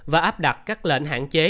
và áp đặt các lệnh hạn chế